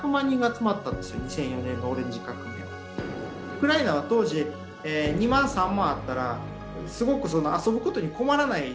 ウクライナは当時２万３万あったらすごく遊ぶことに困らない。